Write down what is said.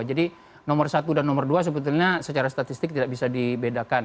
jadi nomor satu dan nomor dua sebetulnya secara statistik tidak bisa dibedakan